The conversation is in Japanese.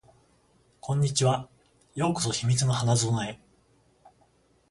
こんにちは。ようこそ秘密の花園へ